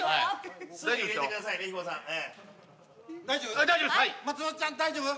大丈夫。